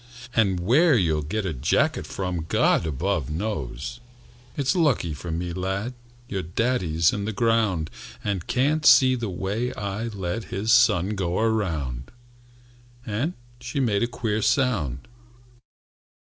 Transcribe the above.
And where you'll get a jacket from God above knows. "It's lucky for me, lad, Your daddy's in the ground, And can't see the way I let His son go around!" And she made a queer sound.